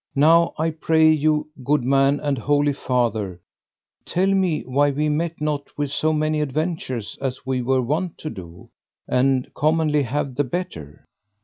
Now, I pray you, good man and holy father, tell me why we met not with so many adventures as we were wont to do, and commonly have the better.